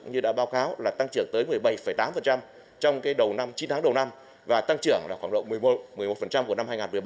như đã báo cáo là tăng trưởng tới một mươi bảy tám trong đầu năm chín tháng đầu năm và tăng trưởng khoảng độ một mươi một của năm hai nghìn một mươi bảy